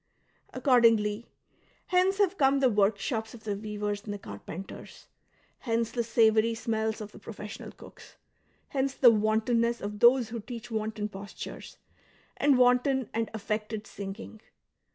Accordingly, hence have come the woi'kshops of the weavers and the carpenters ; hence the savoury smells of the professional cooks ; hence the wantonness of those who teach wanton postui es, and wanton and affected singing.